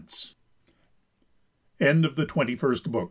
THE END OF THE TWENTY FIRST BOOK OF